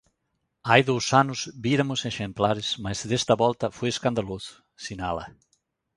"Hai dous anos víramos exemplares mais desta volta foi escandaloso", sinala.